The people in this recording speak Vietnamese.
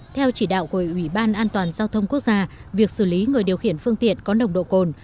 theo chỉ đạo của ủy ban an toàn giao thông quốc gia việc xử lý người điều khiển phương tiện có nồng độ cồn